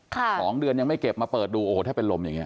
สองเดือนยังไม่เก็บมาเปิดดูโอ้โหถ้าเป็นลมอย่างเง